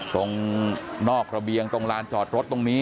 ตรงนอกระเบียงตรงลานจอดรถตรงนี้